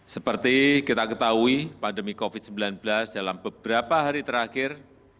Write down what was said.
seperti kita ketahui pandemi covid sembilan belas dalam beberapa hari terakhir